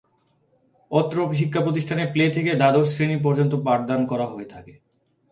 অত্র শিক্ষা প্রতিষ্ঠানে প্লে থেকে দ্বাদশ শ্রেণি পর্যন্ত পাঠদান করা হয়ে থাকে।